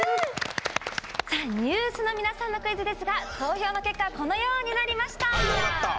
ＮＥＷＳの皆さんのクイズですが投票の結果このようになりました。